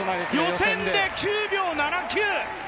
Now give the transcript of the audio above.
予選で９秒７９！